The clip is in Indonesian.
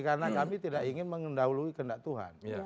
karena kami tidak ingin mengendalui kehendak tuhan